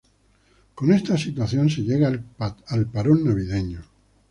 Con esta situación se llega al parón navideño.